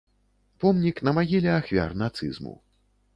Помнік на магіле ахвяр нацызму.